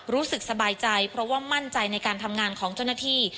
รู้สึกสบายใจเพราะว่ามั่นใจในการทำงานของเจ้าหน้าที่